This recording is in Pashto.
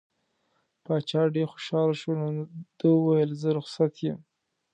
باچا ډېر خوشحاله شو نو ده وویل زه رخصت یم.